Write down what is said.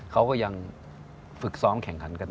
เขาก็ยังฝึกซ้อมแข่งขันกัน